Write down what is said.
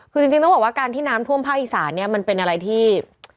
คือจริงต้องบอกว่าการที่น้ำท่วมภาคอีสานเนี่ยมันเป็นอะไรที่